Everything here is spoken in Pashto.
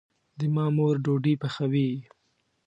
د ما مور ډوډي پخوي